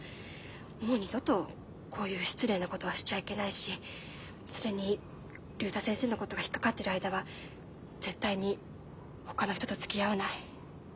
もう二度とこういう失礼なことはしちゃいけないしそれに竜太先生のことが引っ掛かってる間は絶対にほかの人とつきあわない。